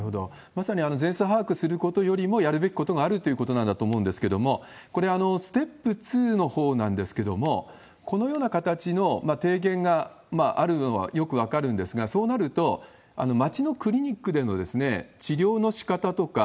まさに全数把握することよりも、やるべきことがあるということなんだと思うんですけれども、これ、ステップ２のほうなんですけれども、このような形の提言があるのはよく分かるんですが、そうなると、町のクリニックでの治療のしかたとか、